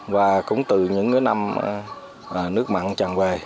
và cũng từ những năm nước mặn tràn về